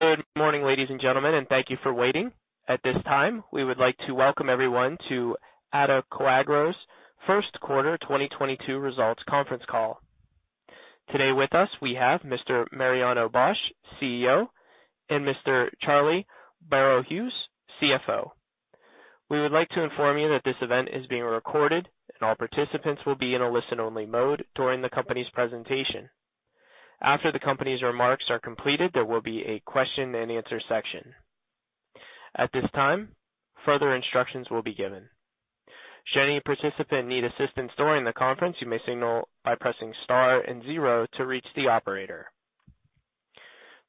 Good morning, ladies and gentlemen, and thank you for waiting. At this time, we would like to welcome everyone to Adecoagro's Q1 2022 Results Conference Call. Today with us, we have Mr. Mariano Bosch, CEO, and Mr. Charlie Boero Hughes, CFO. We would like to inform you that this event is being recorded and all participants will be in a listen-only mode during the company's presentation. After the company's remarks are completed, there will be a question and answer section. At this time, further instructions will be given. Should any participant need assistance during the conference, you may signal by pressing star and zero to reach the operator.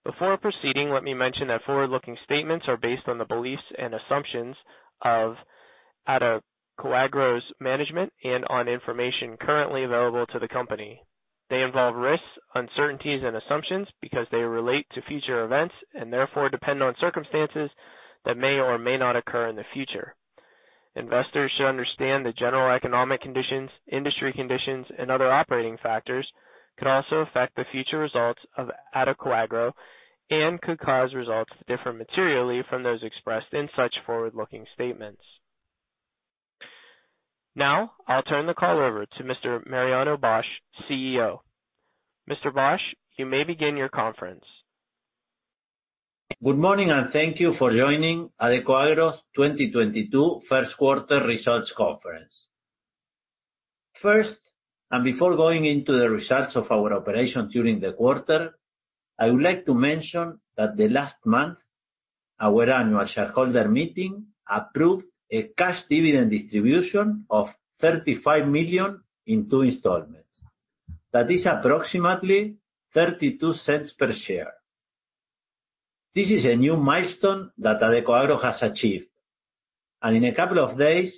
Before proceeding, let me mention that forward-looking statements are based on the beliefs and assumptions of Adecoagro's management and on information currently available to the company. They involve risks, uncertainties, and assumptions because they relate to future events and therefore depend on circumstances that may or may not occur in the future. Investors should understand the general economic conditions, industry conditions, and other operating factors could also affect the future results of Adecoagro and could cause results to differ materially from those expressed in such forward-looking statements. Now, I'll turn the call over to Mr. Mariano Bosch, CEO. Mr. Bosch, you may begin your conference. Good morning, and thank you for joining Adecoagro's 2022Q1 Results Conference. First, before going into the results of our operation during the quarter, I would like to mention that the last month, our annual shareholder meeting approved a cash dividend distribution of $35 million in two installments. That is approximately $0.32 per share. This is a new milestone that Adecoagro has achieved. In a couple of days,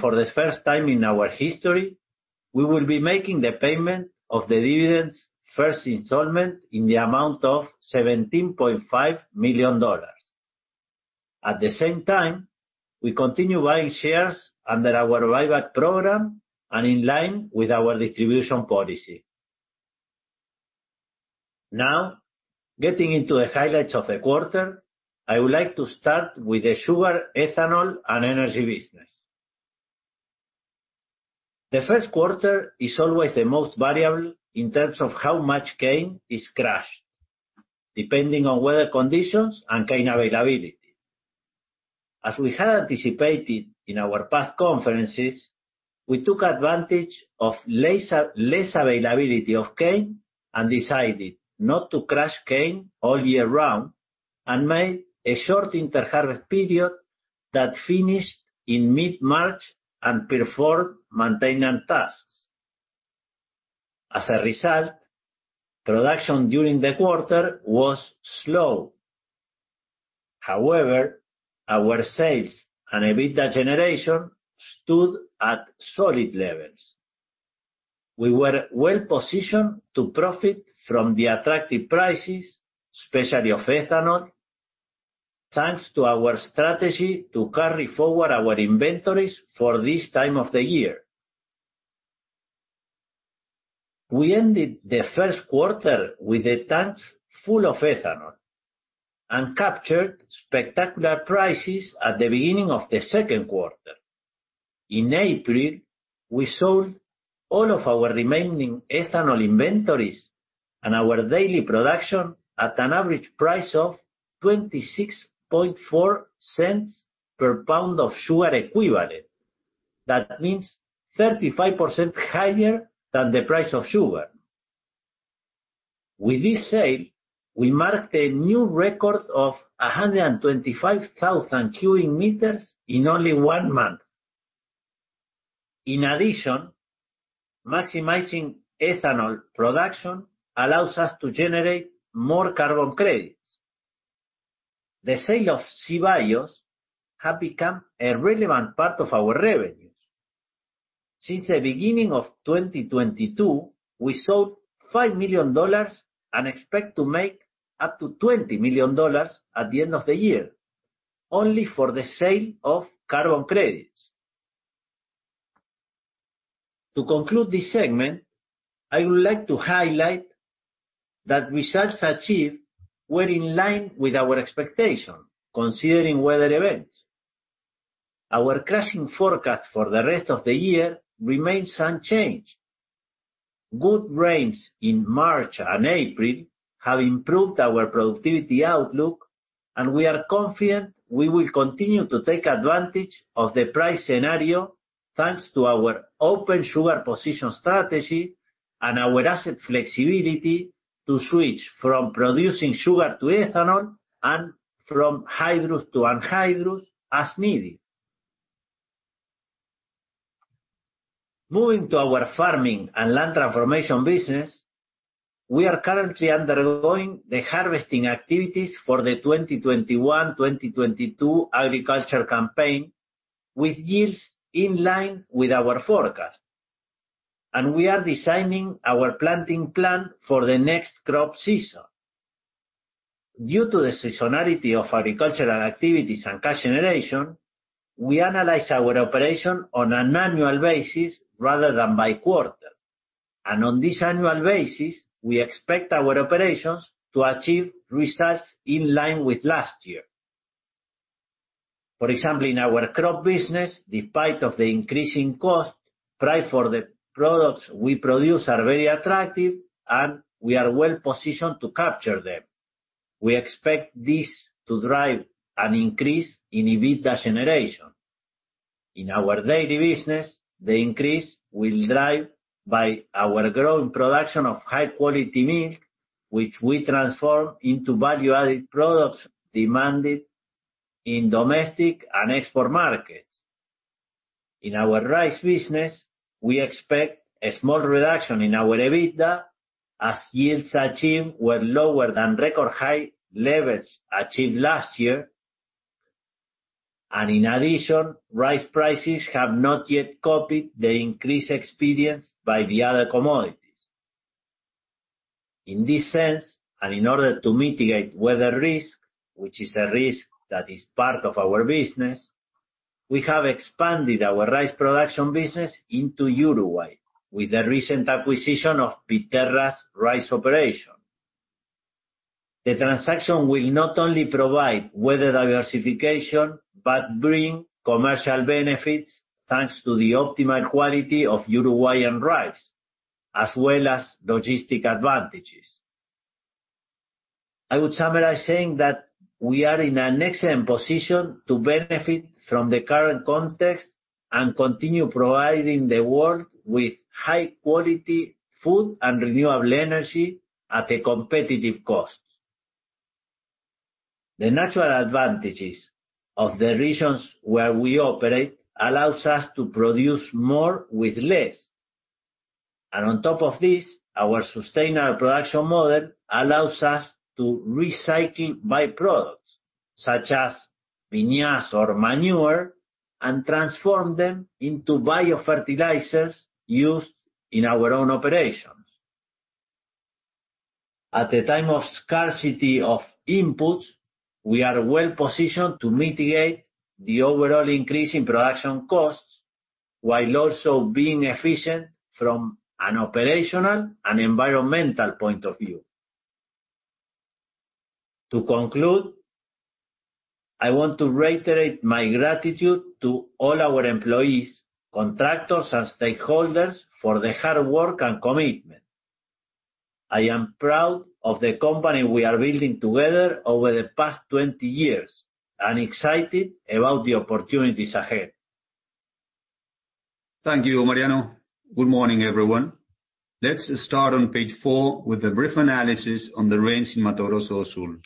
for the first time in our history, we will be making the payment of the dividend's first installment in the amount of $17.5 million. At the same time, we continue buying shares under our buyback program and in line with our distribution policy. Now, getting into the highlights of the quarter, I would like to start with the sugar, ethanol, and energy business. The Q1 is always the most variable in terms of how much cane is crushed, depending on weather conditions and cane availability. As we had anticipated in our past conferences, we took advantage of less availability of cane and decided not to crush cane all year round and made a short inter harvest period that finished in mid-March and performed maintenance tasks. As a result, production during the quarter was slow. However, our sales and EBITDA generation stood at solid levels. We were well-positioned to profit from the attractive prices, especially of ethanol, thanks to our strategy to carry forward our inventories for this time of the year. We ended the Q1 with the tanks full of ethanol and captured spectacular prices at the beginning of the Q2. In April, we sold all of our remaining ethanol inventories and our daily production at an average price of $0.264 per pound of sugar equivalent. That means 35% higher than the price of sugar. With this sale, we marked a new record of 125,000 cubic meters in only one month. In addition, maximizing ethanol production allows us to generate more carbon credits. The sale of CBios have become a relevant part of our revenues. Since the beginning of 2022, we sold $5 million and expect to make up to $20 million at the end of the year, only for the sale of carbon credits. To conclude this segment, I would like to highlight that results achieved were in line with our expectation, considering weather events. Our crushing forecast for the rest of the year remains unchanged. Good rains in March and April have improved our productivity outlook, and we are confident we will continue to take advantage of the price scenario, thanks to our open sugar position strategy and our asset flexibility to switch from producing sugar to ethanol and from hydrous to anhydrous as needed. Moving to our farming and land transformation business, we are currently undergoing the harvesting activities for the 2021-2022 agriculture campaign, with yields in line with our forecast. We are designing our planting plan for the next crop season. Due to the seasonality of agricultural activities and cash generation, we analyze our operation on an annual basis rather than by quarter. On this annual basis, we expect our operations to achieve results in line with last year. For example, in our crop business, despite the increasing cost, price for the products we produce are very attractive, and we are well positioned to capture them. We expect this to drive an increase in EBITDA generation. In our dairy business, the increase will be driven by our growing production of high quality milk, which we transform into value-added products demanded in domestic and export markets. In our rice business, we expect a small reduction in our EBITDA as yields achieved were lower than record high levels achieved last year. In addition, rice prices have not yet copied the increase experienced by the other commodities. In this sense, and in order to mitigate weather risk, which is a risk that is part of our business, we have expanded our rice production business into Uruguay with the recent acquisition of Viterra's rice operation. The transaction will not only provide weather diversification, but bring commercial benefits, thanks to the optimal quality of Uruguayan rice, as well as logistic advantages. I would summarize saying that we are in an excellent position to benefit from the current context and continue providing the world with high quality food and renewable energy at a competitive cost. The natural advantages of the regions where we operate allows us to produce more with less. On top of this, our sustainable production model allows us to recycle Byproducts such as Vinasse or manure, and transform them into biofertilizers used in our own operations. At the time of scarcity of inputs, we are well-positioned to mitigate the overall increase in production costs while also being efficient from an operational and environmental point of view. To conclude, I want to reiterate my gratitude to all our employees, contractors, and stakeholders for their hard work and commitment. I am proud of the company we are building together over the past 20 years and excited about the opportunities ahead. Thank you, Mariano. Good morning, everyone. Let's start on page 4 with a brief analysis on the rains in Mato Grosso do Sul.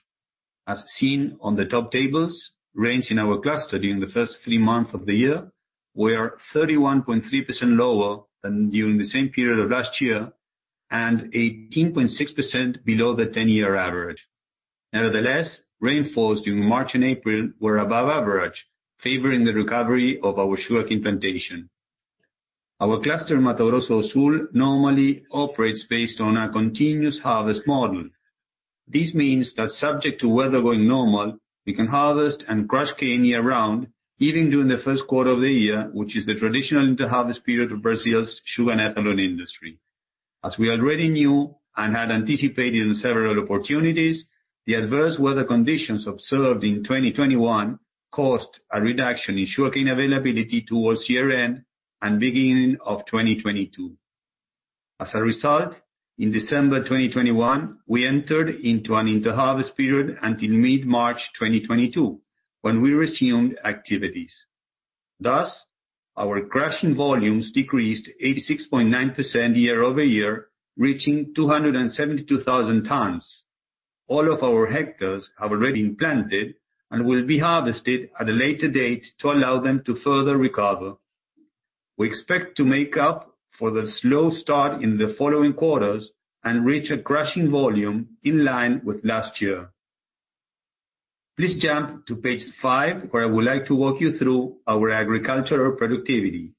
As seen on the top tables, rains in our cluster during the first three months of the year were 31.3% lower than during the same period of last year, and 18.6% below the 10-year average. Nevertheless, rainfalls during March and April were above average, favoring the recovery of our sugarcane plantation. Our cluster in Mato Grosso do Sul normally operates based on a continuous harvest model. This means that subject to weather going normal, we can harvest and crush cane year round, even during the first quarter of the year, which is the traditional interharvest period of Brazil's sugar and ethanol industry. As we already knew and had anticipated in several opportunities, the adverse weather conditions observed in 2021 caused a reduction in sugarcane availability towards year-end, and beginning of 2022. As a result, in December 2021, we entered into an interharvest period until mid-March 2022, when we resumed activities. Thus, our crushing volumes decreased 86.9% year over year, reaching 272,000 tons. All of our hectares have already been planted and will be harvested at a later date to allow them to further recover. We expect to make up for the slow start in the following quarters and reach a crushing volume in line with last year. Please jump to page 5, where I would like to walk you through our agricultural productivity.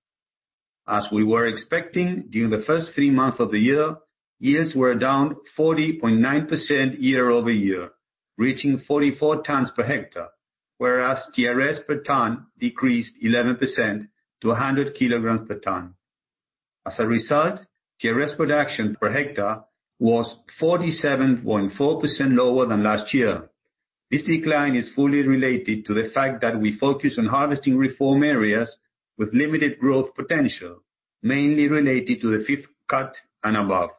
As we were expecting, during the first three months of the year, yields were down 40.9% year-over-year, reaching 44 tons per hectare, whereas TRS per ton decreased 11% to 100 kilograms per ton. As a result, TRS production per hectare was 47.4% lower than last year. This decline is fully related to the fact that we focus on harvesting reform areas with limited growth potential, mainly related to the 5th cut and above.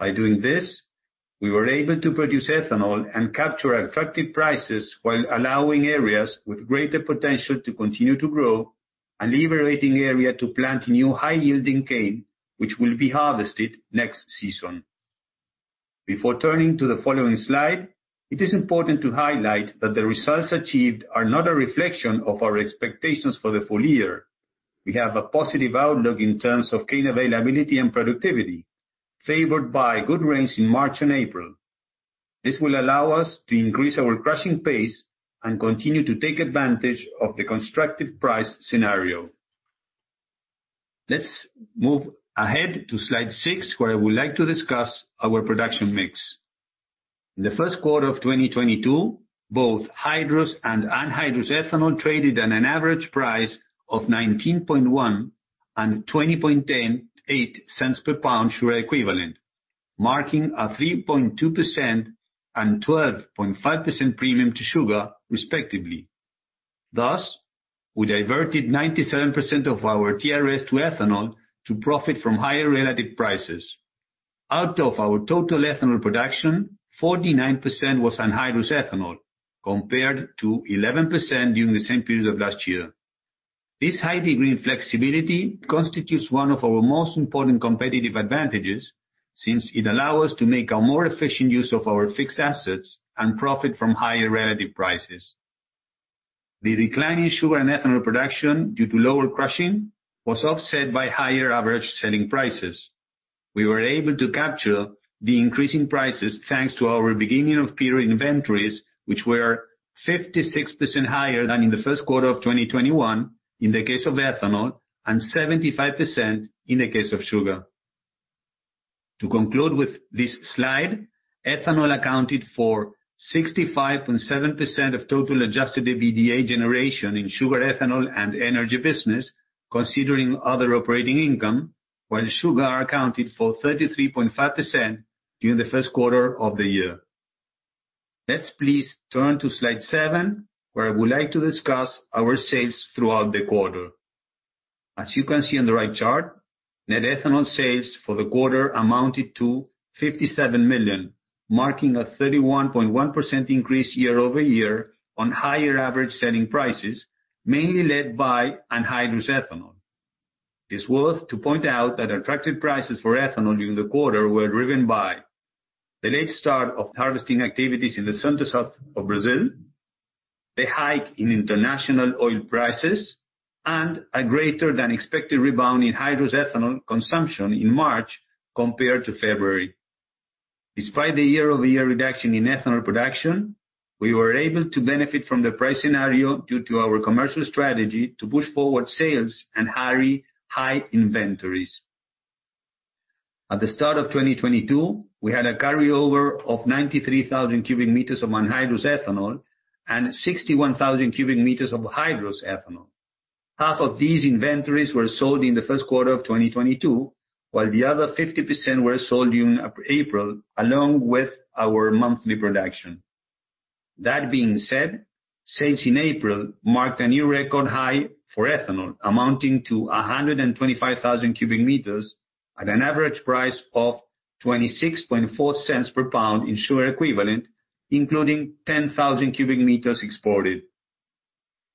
By doing this, we were able to produce ethanol and capture attractive prices while allowing areas with greater potential to continue to grow and liberating the area to plant new high-yielding cane, which will be harvested next season. Before turning to the following slide, it is important to highlight that the results achieved are not a reflection of our expectations for the full year. We have a positive outlook in terms of cane availability and productivity, favored by good rains in March and April. This will allow us to increase our crushing pace and continue to take advantage of the constructive price scenario. Let's move ahead to slide 6, where I would like to discuss our production mix. In the first quarter of 2022, both hydrous and anhydrous ethanol traded at an average price of $0.191 and $0.20108 per pound sugar equivalent, marking a 3.2% and 12.5% premium to sugar respectively. Thus, we diverted 97% of our TRS to ethanol to profit from higher relative prices. Out of our total ethanol production, 49% was anhydrous ethanol compared to 11% during the same period of last year. This high degree of flexibility constitutes one of our most important competitive advantages since it allow us to make a more efficient use of our fixed assets and profit from higher relative prices. The decline in sugar and ethanol production due to lower crushing was offset by higher average selling prices. We were able to capture the increase in prices thanks to our beginning of period inventories, which were 56% higher than in the first quarter of 2021 in the case of ethanol, and 75% in the case of sugar. To conclude with this slide, ethanol accounted for 65.7% of total adjusted EBITDA generation in sugar, ethanol, and energy business, considering other operating income, while sugar accounted for 33.5% during the first quarter of the year. Let's please turn to slide 7, where I would like to discuss our sales throughout the quarter. As you can see on the right chart, net ethanol sales for the quarter amounted to $57 million, marking a 31.1% increase year-over-year on higher average selling prices, mainly led by anhydrous ethanol. I t's worth pointing out that attractive prices for ethanol during the quarter were driven by the late start of harvesting activities in the Centro-Sul of Brazil, the hike in international oil prices, and a greater than expected rebound in hydrous ethanol consumption in March compared to February. Despite the year-over-year reduction in ethanol production, we were able to benefit from the price scenario due to our commercial strategy to push forward sales and carry high inventories. At the start of 2022, we had a carryover of 93,000 cubic meters of anhydrous ethanol and 61,000 cubic meters of hydrous ethanol. Half of these inventories were sold in the first quarter of 2022, while the other 50% were sold during April, along with our monthly production. That being said, sales in April marked a new record high for ethanol, amounting to 125,000 cubic meters at an average price of $0.264 per pound in sugar equivalent, including 10,000 cubic meters exported.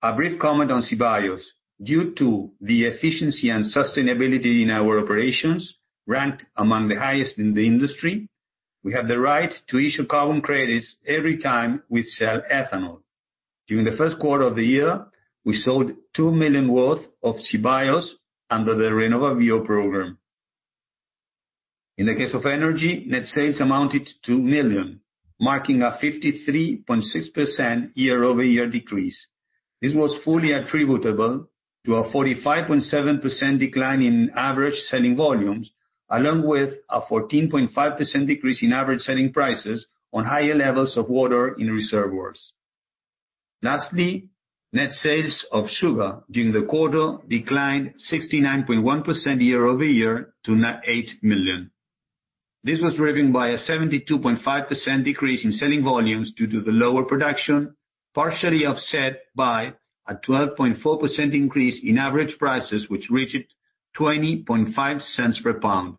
A brief comment on CBios. Due to the efficiency and sustainability in our operations, ranked among the highest in the industry, we have the right to issue carbon credits every time we sell ethanol. During the first quarter of the year, we sold $2 million worth of CBios under the RenovaBio program. In the case of energy, net sales amounted to $2 million, marking a 53.6% year-over-year decrease. This was fully attributable to a 45.7% decline in average selling volumes, along with a 14.5% decrease in average selling prices on higher levels of water in reservoirs. Lastly, net sales of sugar during the quarter declined 69.1% year-over-year to $8 million. This was driven by a 72.5% decrease in selling volumes due to the lower production, partially offset by a 12.4% increase in average prices, which reached $0.205 per pound.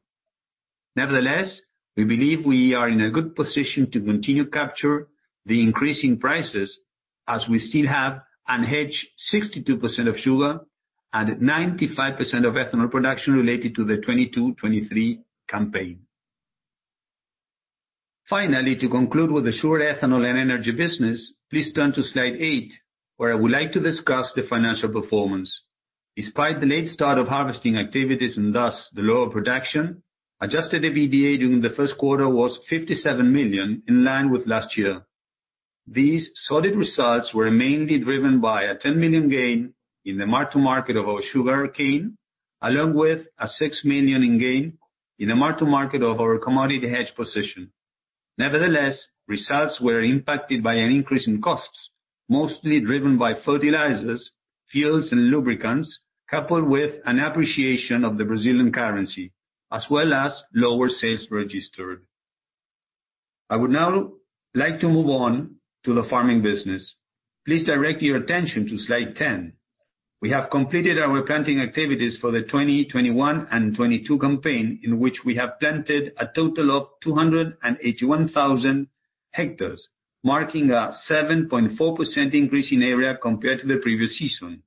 Nevertheless, we believe we are in a good position to continue to capture the increasing prices as we still have unhedged 62% of sugar and 95% of ethanol production related to the 2022-2023 campaign. Finally, to conclude with the sugar, ethanol, and energy business, please turn to slide 8, where I would like to discuss the financial performance. Despite the late start of harvesting activities and thus the lower production, adjusted EBITDA during theQ1 was $57 million, in line with last year. These solid results were mainly driven by a $10 million gain in the mark-to-market of our sugarcane, along with a $6 million gain in the mark-to-market of our commodity hedge position. Nevertheless, results were impacted by an increase in costs, mostly driven by fertilizers, fuels, and lubricants, coupled with an appreciation of the Brazilian currency, as well as lower sales registered. I would now like to move on to the farming business. Please direct your attention to slide 10. We have completed our planting activities for the 2021 and 2022 campaign, in which we have planted a total of 281,000 hectares, marking a 7.4% increase in area compared to the previous season.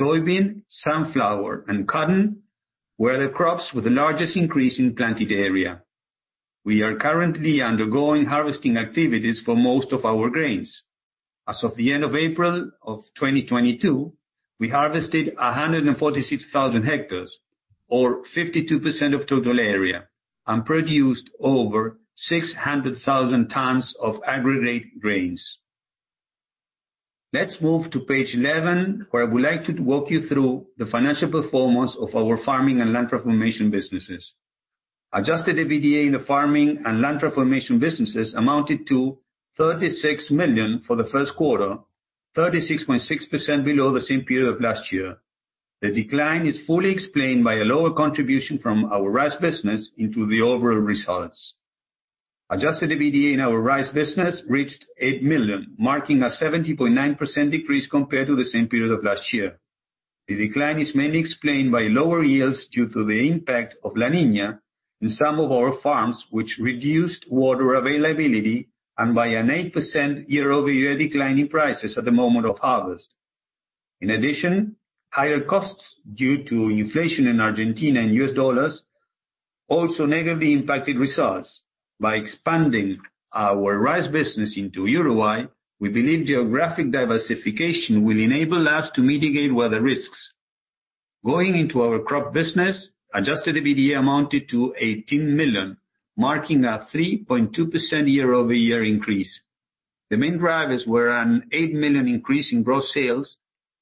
Soybean, sunflower, and cotton were the crops with the largest increase in planted area. We are currently undergoing harvesting activities for most of our grains. As of the end of April 2022, we harvested 146,000 hectares or 52% of total area and produced over 600,000 tons of aggregate grains. Let's move to page 11, where I would like to walk you through the financial performance of our farming and land transformation businesses. Adjusted EBITDA in the farming and land transformation businesses amounted to $36 million for the Q1. 36.6% below the same period of last year. The decline is fully explained by a lower contribution from our rice business into the overall results. Adjusted EBITDA in our rice business reached $8 million, marking a 70.9% decrease compared to the same period of last year. The decline is mainly explained by lower yields due to the impact of La Niña in some of our farms, which reduced water availability and by an 8% year-over-year decline in prices at the moment of harvest. In addition, higher costs due to inflation in Argentina and U.S. dollars also negatively impacted results. By expanding our rice business into Uruguay, we believe geographic diversification will enable us to mitigate weather risks. Going into our crop business, adjusted EBITDA amounted to $18 million, marking a 3.2% year-over-year increase. The main drivers were an $8 million increase in gross sales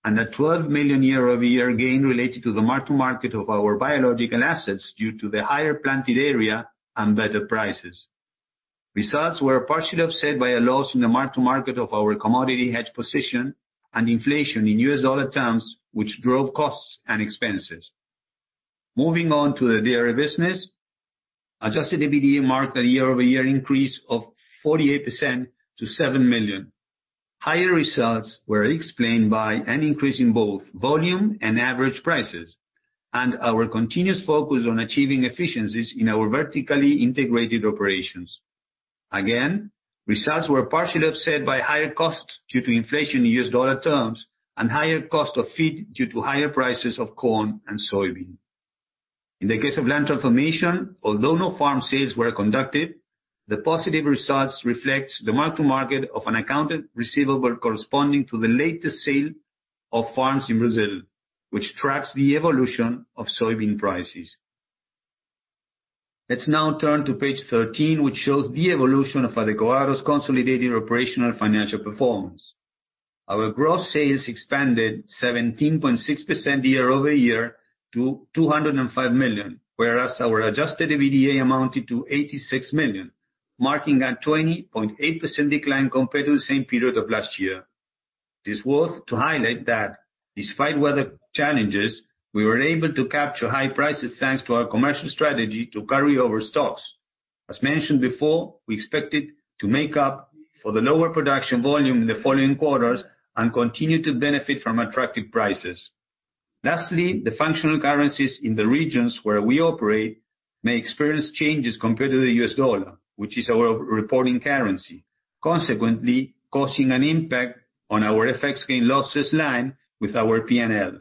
and a $12 million year-over-year gain related to the mark-to-market of our biological assets due to the higher planted area and better prices. Results were partially offset by a loss in the mark-to-market of our commodity hedge position and inflation in US dollar terms, which drove costs and expenses. Moving on to the dairy business, adjusted EBITDA marked a year-over-year increase of 48% to $7 million. Higher results were explained by an increase in both volume and average prices, and our continuous focus on achieving efficiencies in our vertically integrated operations. Again, results were partially offset by higher costs due to inflation in US dollar terms and higher cost of feed due to higher prices of corn and soybean. In the case of land transformation, although no farm sales were conducted, the positive results reflects the mark-to-market of an accounted receivable corresponding to the latest sale of farms in Brazil, which tracks the evolution of soybean prices. Let's now turn to page 13, which shows the evolution of Adecoagro's consolidated operational financial performance. Our gross sales expanded 17.6% year-over-year to $205 million, whereas our adjusted EBITDA amounted to $86 million, marking a 20.8% decline compared to the same period of last year. It's worth to highlight that despite weather challenges, we were able to capture high prices thanks to our commercial strategy to carry over stocks. As mentioned before, we expected to make up for the lower production volume in the following quarters and continue to benefit from attractive prices. Lastly, the functional currencies in the regions where we operate may experience changes compared to the US dollar, which is our reporting currency, consequently causing an impact on our FX gains/losses line with our P&L.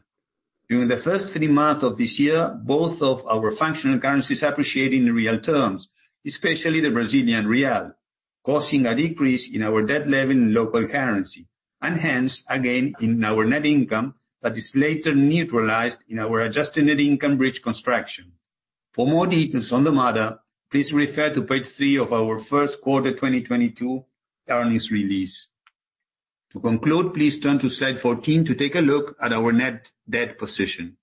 During the first three months of this year, both of our functional currencies appreciate in real terms, especially the Brazilian real, causing a decrease in our debt level in local currency, and hence, again, in our net income that is later neutralized in our adjusted net income bridge construction. For more details on the matter, please refer to page 3 of our Q1 2022 earnings release. To conclude, please turn to slide 14 to take a look at our net debt position.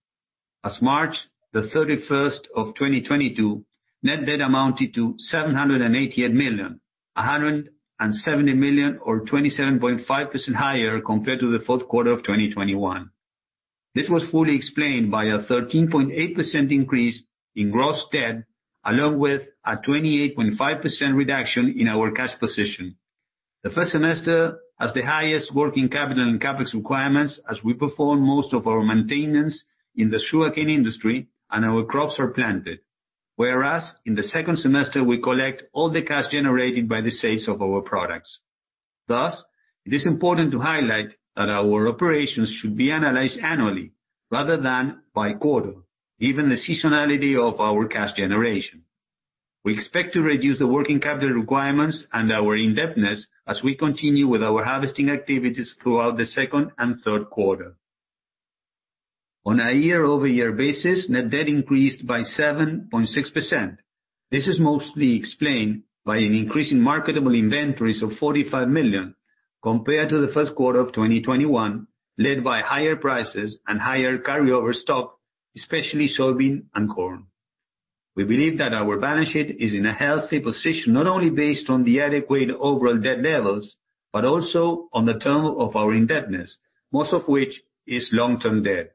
As of March 31, 2022, net debt amounted to $788 million, $170 million or 27.5% higher compared to the fourth quarter of 2021. This was fully explained by a 13.8% increase in gross debt, along with a 28.5% reduction in our cash position. The first semester has the highest working capital and CapEx requirements as we perform most of our maintenance in the sugarcane industry and our crops are planted. Whereas in the second semester, we collect all the cash generated by the sales of our products. Thus, it is important to highlight that our operations should be analyzed annually rather than by quarter, given the seasonality of our cash generation. We expect to reduce the working capital requirements and our indebtedness as we continue with our harvesting activities throughout the second and third quarter. On a year-over-year basis, net debt increased by 7.6%. This is mostly explained by an increase in marketable inventories of $45 million compared to the Q1 of 2021, led by higher prices and higher carryover stock, especially soybean and corn. We believe that our balance sheet is in a healthy position, not only based on the adequate overall debt levels, but also on the term of our indebtedness, most of which is long-term debt.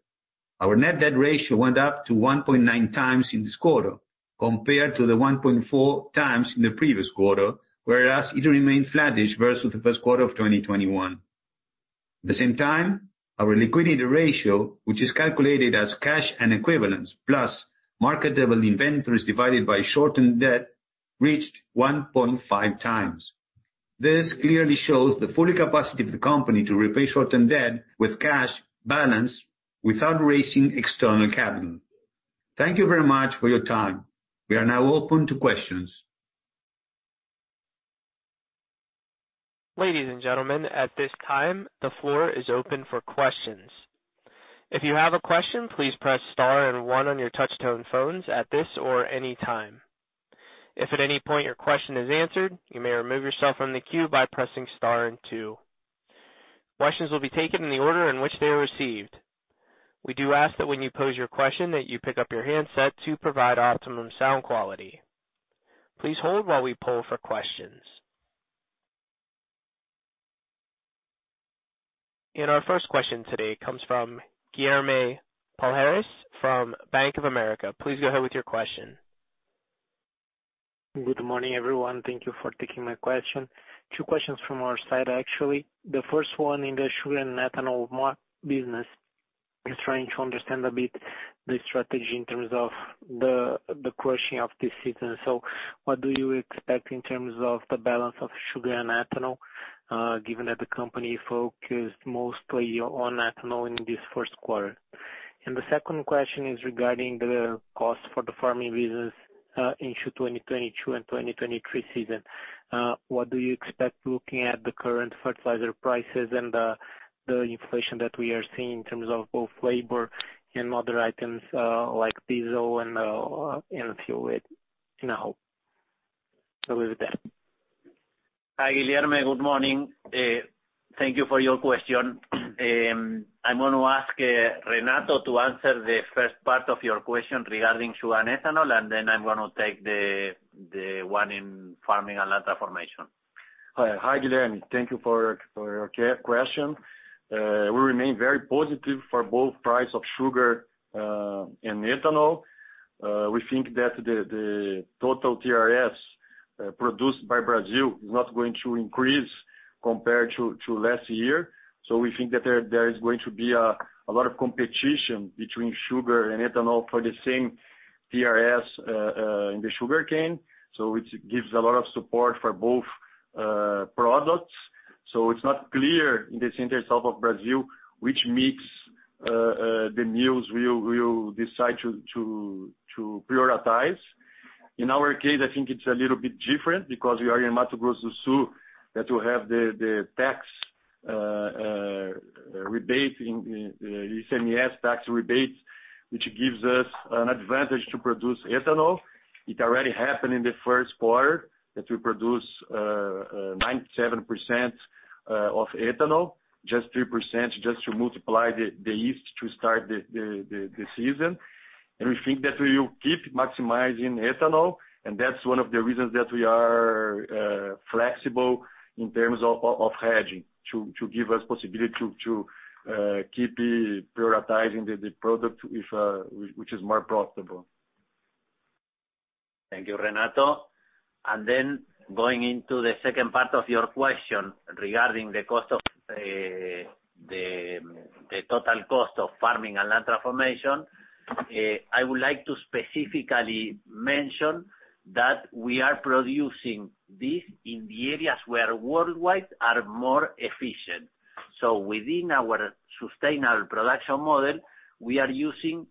Our net debt ratio went up to 1.9 times in this quarter compared to the 1.4 times in the previous quarter, whereas it remained flattish versus the Q1 of 2021. the same time, our liquidity ratio, which is calculated as cash and equivalents, plus marketable inventories divided by short-term debt, reached 1.5 times. This clearly shows the full capacity of the company to repay short-term debt with cash balance without raising external capital. Thank you very much for your time. We are now open to questions. Ladies and gentlemen, at this time, the floor is open for questions. If you have a question, please press star and one on your touch tone phones at this or any time. If at any point your question is answered, you may remove yourself from the queue by pressing star and two. Questions will be taken in the order in which they are received. We do ask that when you pose your question, that you pick up your handset to provide optimum sound quality. Please hold while we poll for questions. Our first question today comes from Guilherme Palhares from Santander. Please go ahead with your question. Good morning, everyone. Thank you for taking my question. Two questions from our side, actually. The first one in the sugar and ethanol business. Just trying to understand a bit the strategy in terms of the crushing of this season. What do you expect in terms of the balance of sugar and ethanol, given that the company focused mostly on ethanol in this Q1? The second question is regarding the cost for the farming business into 2022 and 2023 season. What do you expect looking at the current fertilizer prices and the inflation that we are seeing in terms of both labor and other items like diesel and fuel, you know. With that? Hi, Guilherme. Good morning. Thank you for your question. I'm going to ask Renato to answer the first part of your question regarding sugar and ethanol, and then I'm going to take the one in farming and land transformation. Hi. Hi Guilherme, thank you for your question. We remain very positive for both price of sugar and ethanol. We think that the total TRS produced by Brazil is not going to increase compared to last year. We think that there is going to be a lot of competition between sugar and ethanol for the same TRS in the sugarcane, which gives a lot of support for both products. It's not clear in this harvest in Brazil, which mix the mills will decide to prioritize. In our case, I think it's a little bit different because we are in Mato Grosso do Sul, that will have the tax rebate in ICMS tax rebates, which gives us an advantage to produce ethanol. It already happened in the Q1 that we produce 97% of ethanol, just 3% just to multiply the yeast to start the season. We think that we will keep maximizing ethanol, and that's one of the reasons that we are flexible in terms of hedging to give us possibility to keep prioritizing the product if which is more profitable. Thank you, Renato. Then going into the second part of your question regarding the cost of the total cost of farming and land transformation, I would like to specifically mention that we are producing this in the areas where worldwide are more efficient. Within our sustainable production model, we are using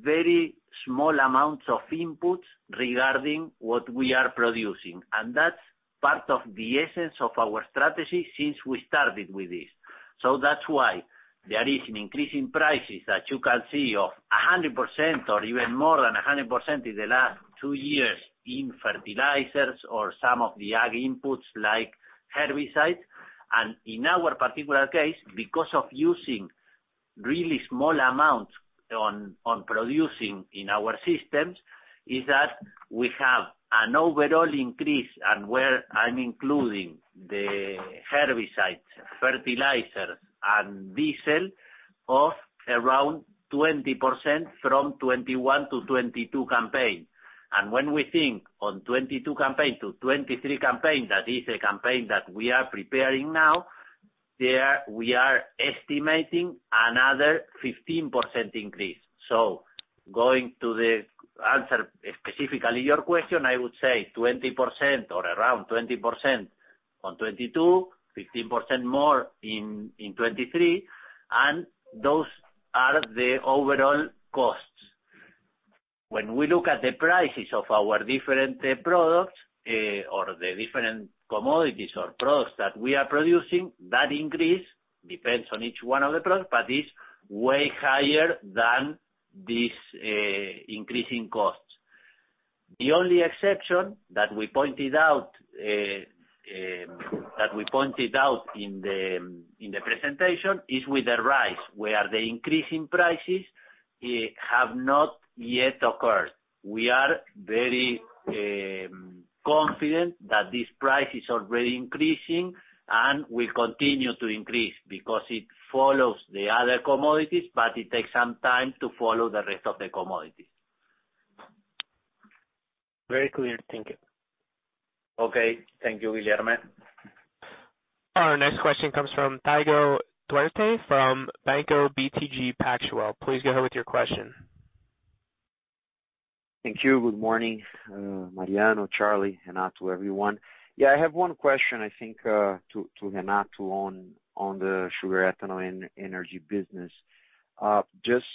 very small amounts of inputs regarding what we are producing. That's part of the essence of our strategy since we started with this. That's why there is an increase in prices that you can see of 100% or even more than 100% in the last two years in fertilizers or some of the ag inputs like herbicides. In our particular case, because of using really small amounts on producing in our systems, is that we have an overall increase, and where I'm including the herbicides, fertilizers and diesel of around 20% from 2021 to 2022 campaign. When we think on 2022 campaign to 2023 campaign, that is a campaign that we are preparing now, there we are estimating another 15% increase. Going to the answer specifically your question, I would say 20% or around 20% on 2022, 15% more in 2023, and those are the overall costs. When we look at the prices of our different products, or the different commodities or products that we are producing, that increase depends on each one of the products, but is way higher than this increase in costs. The only exception that we pointed out in the presentation is with the rice, where the increase in prices have not yet occurred. We are very confident that this price is already increasing and will continue to increase because it follows the other commodities, but it takes some time to follow the rest of the commodities. Very clear. Thank you. Okay. Thank you, Guilherme. Our next question comes from Thiago Duarte from Banco BTG Pactual. Please go ahead with your question. Thank you. Good morning, Mariano, Charlie, Renato, everyone. Yeah, I have one question, I think, to Renato on the sugar, ethanol and energy business. Just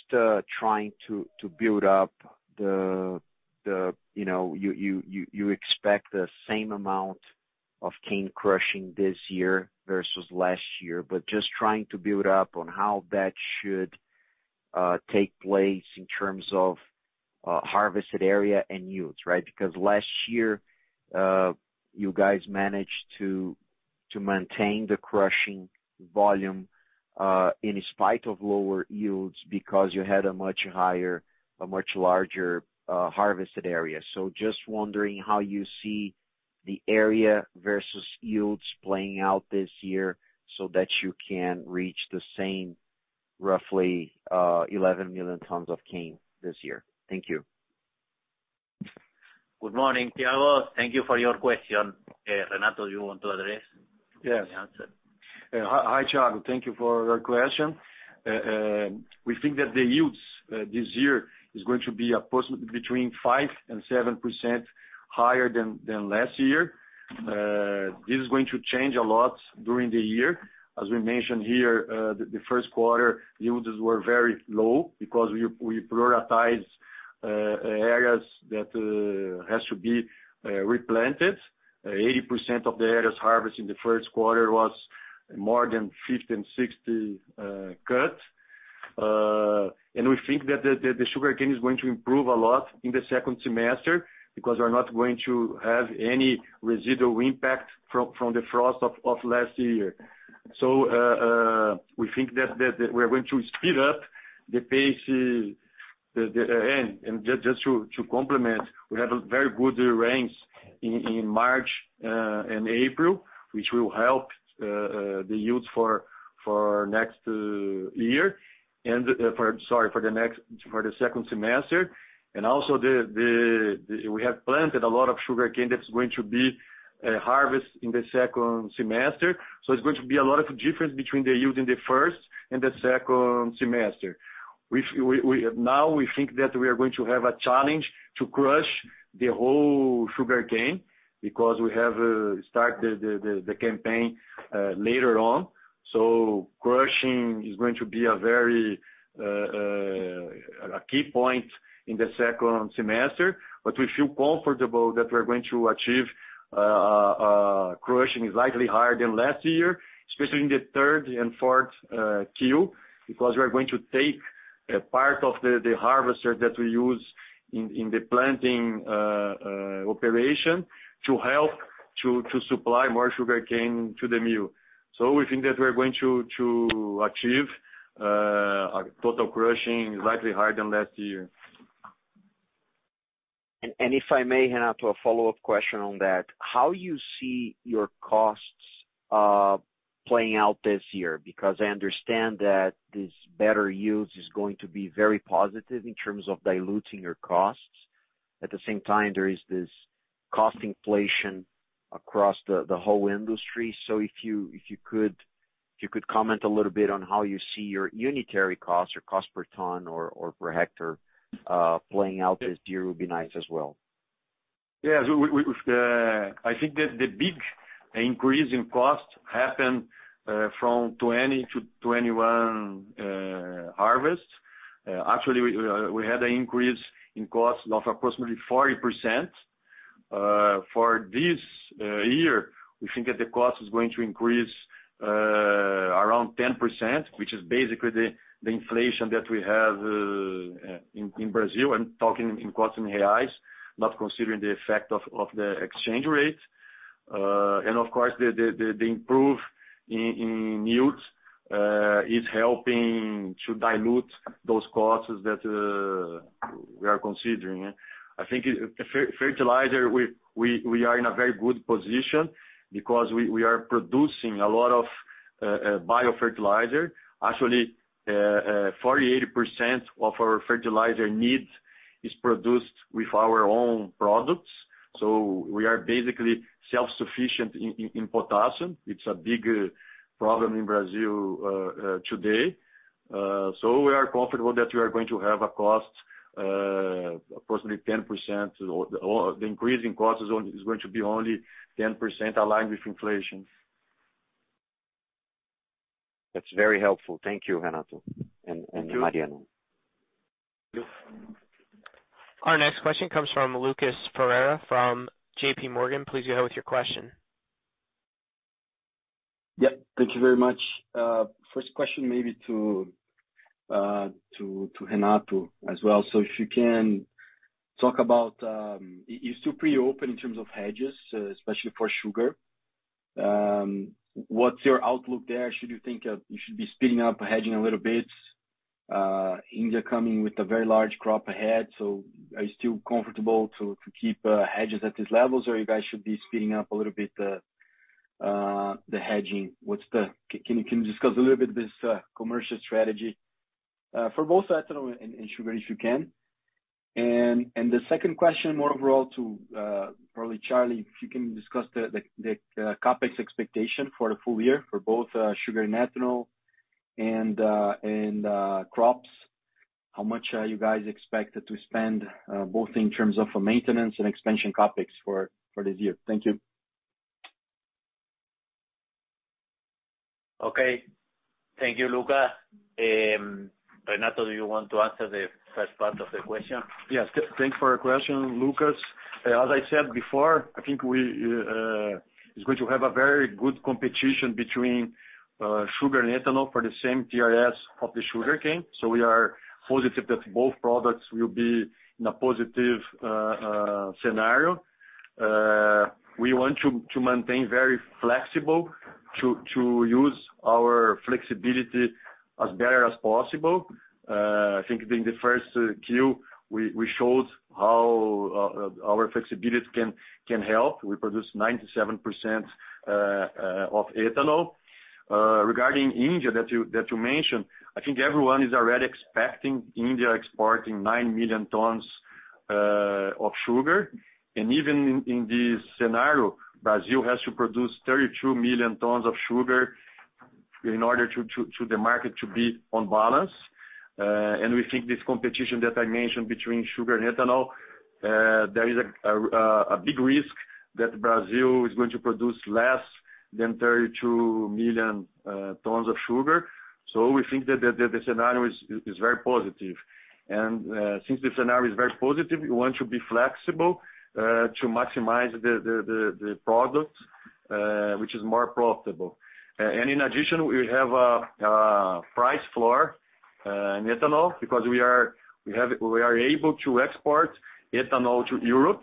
trying to build up the, you know, you expect the same amount of cane crushing this year versus last year, but just trying to build up on how that should take place in terms of harvested area and yields, right? Because last year, you guys managed to maintain the crushing volume in spite of lower yields because you had a much larger harvested area. Just wondering how you see the area versus yields playing out this year so that you can reach the same roughly 11 million tons of cane this year. Thank you. Good morning, Thiago. Thank you for your question. Renato, you want to address. Yes. The answer? Yeah. Hi, Thiago. Thank you for your question. We think that the yields this year is going to be approximately between 5%-7% higher than last year. This is going to change a lot during the year. As we mentioned here, the Q1 yields were very low because we prioritize areas that has to be replanted. 80% of the areas harvest in the Q1 was more than 50, 60 cut. We think that the sugarcane is going to improve a lot in the second semester because we're not going to have any residual impact from the frost of last year. We think that we're going to speed up the pace. Just to complement, we have a very good rain in March and April, which will help the yields for the second semester. We also have planted a lot of sugarcane that's going to be harvested in the second semester. It's going to be a lot of difference between the yield in the first and the second semester. Now we think that we are going to have a challenge to crush the whole sugarcane because we have started the campaign later on. Crushing is going to be a very key point in the second semester. We feel comfortable that we're going to achieve crushing slightly higher than last year, especially in the third and fourth Q, because we are going to take a part of the harvester that we use in the planting operation to help to supply more sugarcane to the mill. We think that we're going to achieve a total crushing slightly higher than last year. If I may, Renato, a follow-up question on that. How you see your costs playing out this year? Because I understand that this better yields is going to be very positive in terms of diluting your costs. At the same time, there is this cost inflation across the whole industry. If you could comment a little bit on how you see your unitary cost or cost per ton or per hectare playing out this year would be nice as well. I think the big increase in cost happened from 2020 to 2021 harvest. Actually, we had an increase in cost of approximately 40%. For this year, we think that the cost is going to increase around 10%, which is basically the inflation that we have in Brazil. I'm talking costs in reais, not considering the effect of the exchange rate. Of course, the improvement in yields is helping to dilute those costs that we are considering. I think, fertilizer, we are in a very good position because we are producing a lot of biofertilizer. Actually, 48% of our fertilizer needs is produced with our own products, so we are basically self-sufficient in potassium. It's a big problem in Brazil today. We are comfortable that we are going to have a cost approximately 10%. The increasing cost is going to be only 10% aligned with inflation. That's very helpful. Thank you, Renato and Mariano. Thank you. Our next question comes from Lucas Ferreira from J.P. Morgan. Please go ahead with your question. Yeah. Thank you very much. First question maybe to Renato as well. If you can talk about, you're still pretty open in terms of hedges, especially for sugar. What's your outlook there? Should you think of you should be speeding up hedging a little bit? India coming with a very large crop ahead, so are you still comfortable to keep hedges at these levels, or you guys should be speeding up a little bit, the hedging? Can you discuss a little bit this commercial strategy for both ethanol and sugar, if you can? The second question, more overall to probably Charlie, if you can discuss the CapEx expectation for the full year for both sugar and ethanol and crops. How much are you guys expected to spend, both in terms of maintenance and expansion CapEx for this year? Thank you. Okay. Thank you, Lucas. Renato, do you want to answer the first part of the question? Thanks for your question, Lucas. As I said before, I think it's going to have a very good competition between sugar and ethanol for the same TRS of the sugarcane. We are positive that both products will be in a positive scenario. We want to maintain very flexible to use our flexibility as best as possible. I think being the first queue, we showed how our flexibilities can help. We produce 97% of ethanol. Regarding India that you mentioned, I think everyone is already expecting India exporting 9 million tons of sugar. Even in this scenario, Brazil has to produce 32 million tons of sugar in order for the market to be on balance. We think this competition that I mentioned between sugar and ethanol, there is a big risk that Brazil is going to produce less than 32 million tons of sugar. We think that the scenario is very positive. Since the scenario is very positive, we want to be flexible to maximize the product which is more profitable. In addition, we have a price floor in ethanol because we are able to export ethanol to Europe.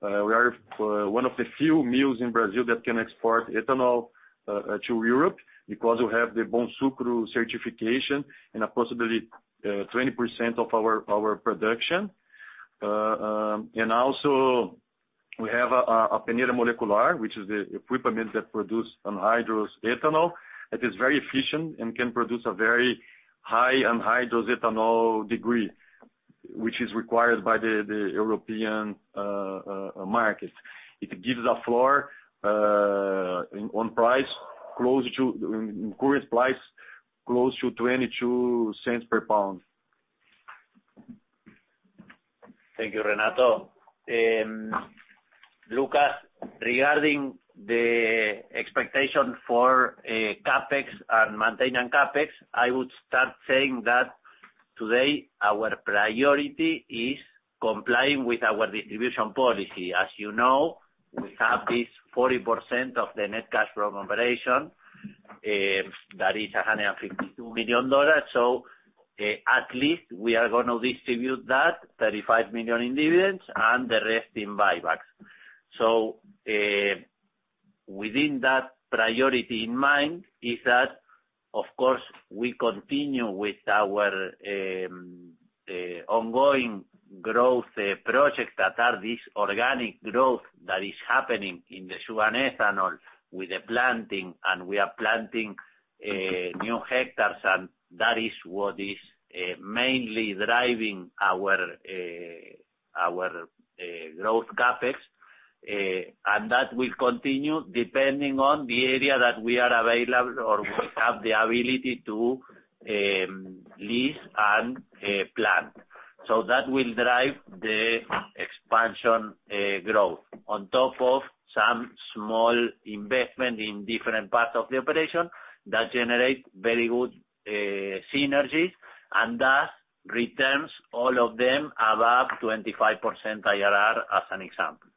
We are one of the few mills in Brazil that can export ethanol to Europe because we have the Bonsucro certification and possibly 20% of our production. We have a peneira molecular, which is the equipment that produce anhydrous ethanol that is very efficient and can produce a very high anhydrous ethanol degree, which is required by the European market. It gives a floor on price close to the current price close to $0.22 per pound. Thank you, Renato. Lucas, regarding the expectation for CapEx and maintenance CapEx, I would start saying that today our priority is complying with our distribution policy. As you know, we have this 40% of the net cash from operation that is $152 million. At least we are going to distribute that $35 million in dividends and the rest in buybacks. Within that priority in mind is that, of course, we continue with our ongoing growth projects that are this organic growth that is happening in the sugar and ethanol with the planting, and we are planting new hectares. That is what is mainly driving our growth CapEx. That will continue depending on the area that we are available or we have the ability to lease and plant. That will drive the expansion, growth. On top of some small investment in different parts of the operation that generate very good synergies and thus returns all of them above 25% IRR as an example.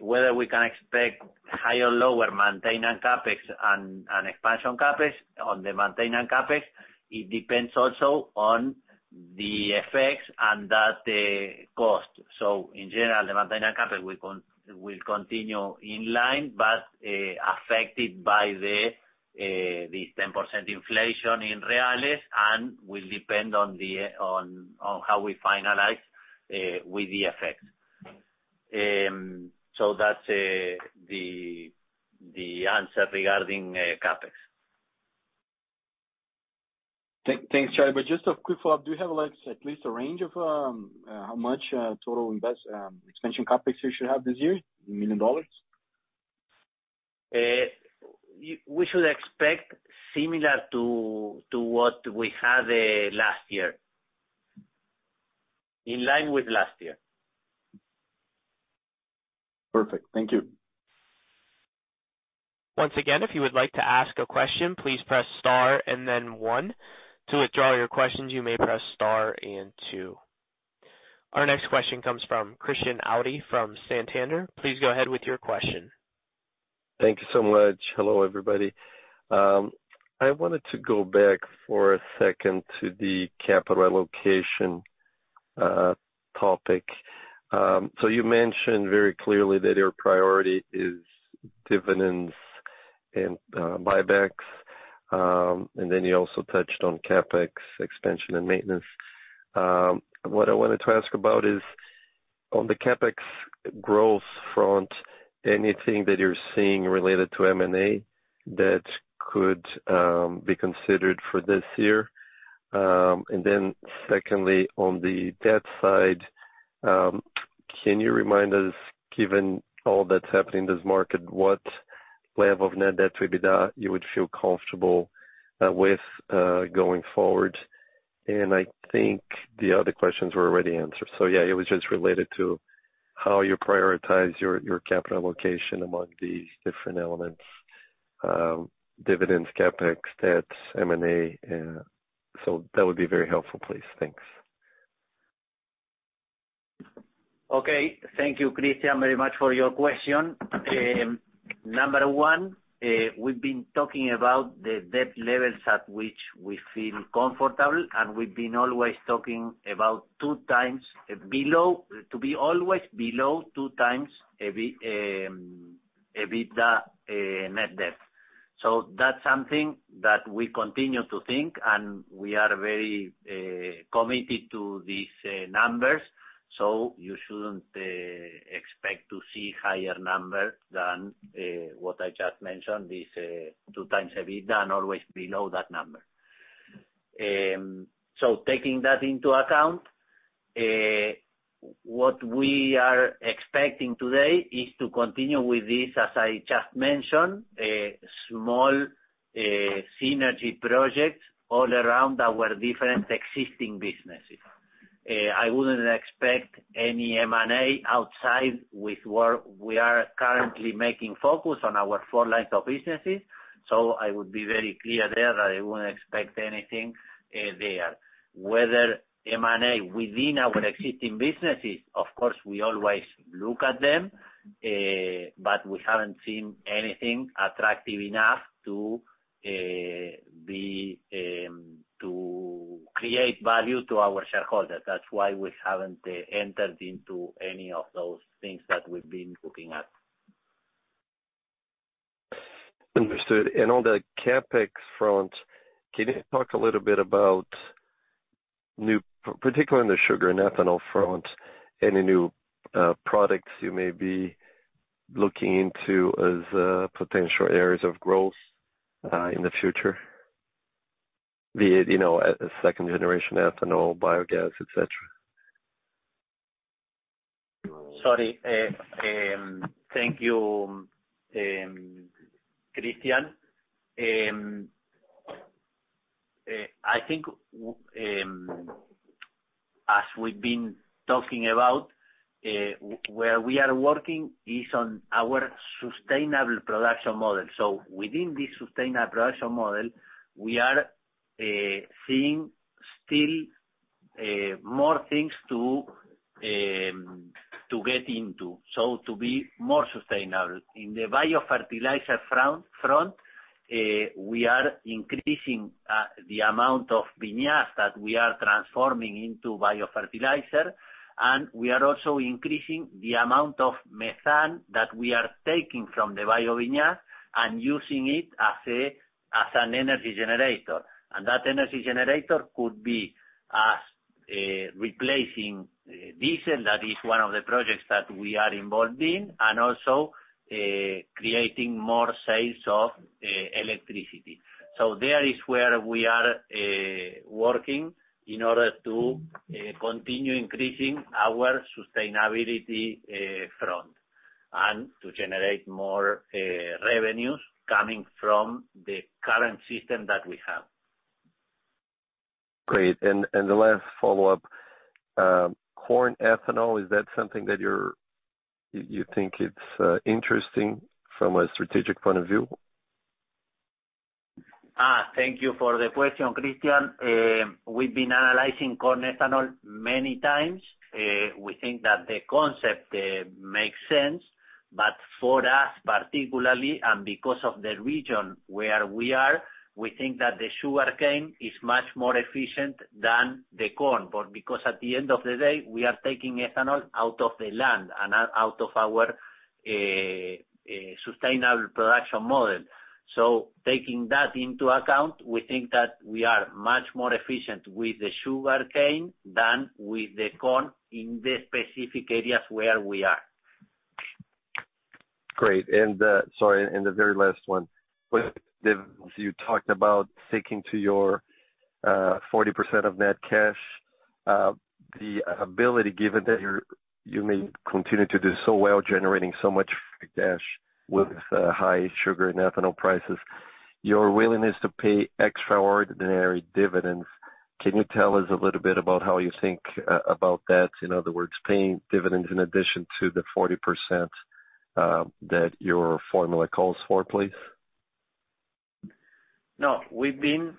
Whether we can expect higher or lower maintenance CapEx and expansion CapEx. On the maintenance CapEx, it depends also on the FX and that cost. In general, the maintenance CapEx will continue in line, but affected by this 10% inflation in reals and will depend on how we finalize with the FX. That's the answer regarding CapEx. Thanks, Charlie. Just a quick follow-up. Do you have, like, at least a range of how much total expansion CapEx you should have this year in million dollars? We should expect similar to what we had last year. In line with last year. Perfect. Thank you. Once again, if you would like to ask a question, please press star and then one. To withdraw your questions, you may press star and two. Our next question comes from Christian Audi from Santander. Please go ahead with your question. Thank you so much. Hello, everybody. I wanted to go back for a second to the capital allocation topic. So you mentioned very clearly that your priority is dividends and buybacks, and then you also touched on CapEx expansion and maintenance. What I wanted to ask about is on the CapEx growth front, anything that you're seeing related to M&A that could be considered for this year? Then secondly, on the debt side, can you remind us, given all that's happening in this market, what level of net debt to EBITDA you would feel comfortable with going forward? I think the other questions were already answered. Yeah, it was just related to how you prioritize your capital allocation among these different elements, dividends, CapEx, debts, M&A. That would be very helpful, please. Thanks. Okay. Thank you, Christian, very much for your question. Number one, we've been talking about the debt levels at which we feel comfortable, and we've been always talking about two times below—to be always below two times EBITDA net debt. That's something that we continue to think, and we are very committed to these numbers, so you shouldn't expect to see higher numbers than what I just mentioned, this two times EBITDA and always below that number. Taking that into account, what we are expecting today is to continue with this, as I just mentioned, small synergy projects all around our different existing businesses. I wouldn't expect any M&A outside of where we are currently focusing on our four lines of businesses. I would be very clear there that I wouldn't expect anything there. Whether M&A within our existing businesses, of course, we always look at them, but we haven't seen anything attractive enough to create value to our shareholders. That's why we haven't entered into any of those things that we've been looking at. Understood. On the CapEx front, can you talk a little bit about, particularly in the sugar and ethanol front, any new products you may be looking into as potential areas of growth in the future? Be it, you know, a second generation ethanol, biogas, et cetera. Sorry. Thank you, Christian. I think as we've been talking about, where we are working is on our sustainable production model. Within this sustainable production model, we are seeing still more things to get into, so to be more sustainable. In the biofertilizer front, we are increasing the amount of vinasse that we are transforming into biofertilizer, and we are also increasing the amount of methane that we are taking from the Biovinasse and using it as an energy generator. That energy generator could be us replacing diesel, that is one of the projects that we are involved in, and also creating more sales of electricity. There is where we are working in order to continue increasing our sustainability front and to generate more revenues coming from the current system that we have. Great. The last follow-up. Corn ethanol, is that something that you think it's interesting from a strategic point of view? Thank you for the question, Christian. We've been analyzing corn ethanol many times. We think that the concept makes sense, but for us particularly and because of the region where we are, we think that the sugarcane is much more efficient than the corn. Because at the end of the day, we are taking ethanol out of the land and out of our sustainable production model. Taking that into account, we think that we are much more efficient with the sugarcane than with the corn in the specific areas where we are. Great. Sorry, the very last one. With the dividends, you talked about sticking to your 40% of net cash, the ability, given that you're, you may continue to do so well, generating so much free cash with high sugar and ethanol prices, your willingness to pay extraordinary dividends, can you tell us a little bit about how you think about that? In other words, paying dividends in addition to the 40% that your formula calls for, please? No. We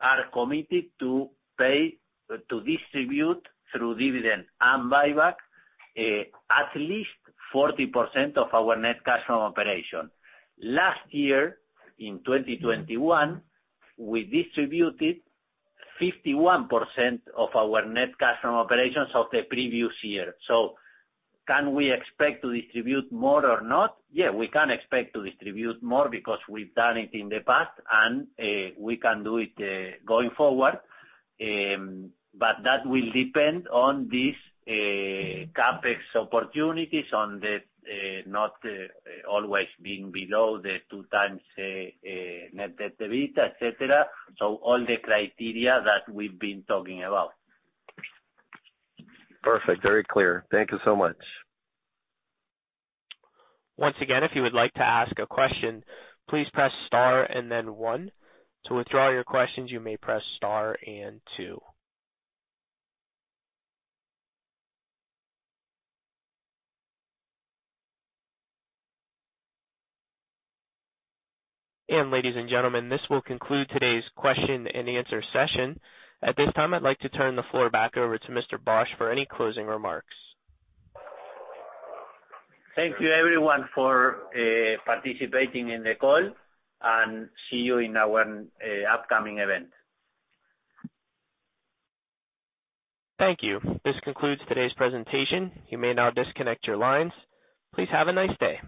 are committed to pay, to distribute through dividend and buyback, at least 40% of our net cash from operations. Last year, in 2021, we distributed 51% of our net cash from operations of the previous year. Can we expect to distribute more or not? Yeah, we can expect to distribute more because we've done it in the past and we can do it going forward. But that will depend on these CapEx opportunities, on not always being below the 2x net debt to EBITDA, et cetera. All the criteria that we've been talking about. Perfect. Very clear. Thank you so much. Once again, if you would like to ask a question, please press star and then one. To withdraw your questions, you may press star and two. Ladies and gentlemen, this will conclude today's question and answer session. At this time, I'd like to turn the floor back over to Mr. Bosch for any closing remarks. Thank you everyone for participating in the call, and see you in our upcoming event. Thank you. This concludes today's presentation. You may now disconnect your lines. Please have a nice day.